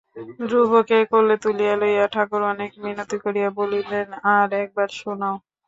ধ্রুবকে কোলে তুলিয়া লইয়া ঠাকুর অনেক মিনতি করিয়া বলিলেন, আর একবার শুনাও।